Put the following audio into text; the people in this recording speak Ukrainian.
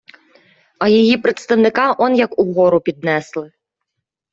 А її представника он як угору піднесли.